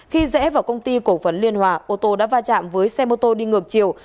khi rẽ vào công ty cổ phần liên hòa ô tô đã va chạm với xe mô tô đi ngược chiều